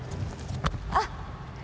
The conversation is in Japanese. あっ。